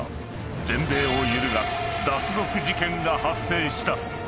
［全米を揺るがす脱獄事件が発生した］